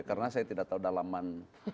karena saya tidak tahu dalaman